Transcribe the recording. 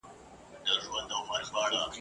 دلته چا په ویښه نه دی ازمېیلی ..